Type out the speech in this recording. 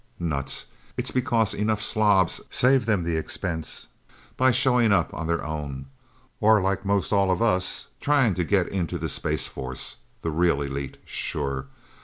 Nuts it's because enough slobs save them the expense by showing up on their own... Or like most all of us trying to get into the Space Force. The Real Elite sure.